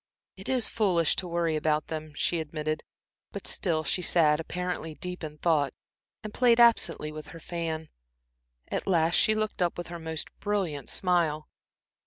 "It is foolish to worry about them," she admitted, but still she sat apparently deep in thought and played absently with her fan. At last she looked up with her most brilliant smile.